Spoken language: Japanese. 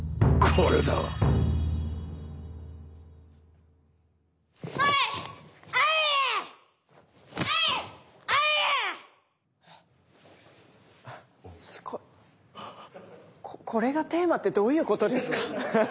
これがテーマってどういうことですか？